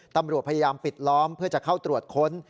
ตำรวจพยายามปิดล้อมเพื่อจะเข้าตรวจค้น